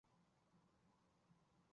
田中义一。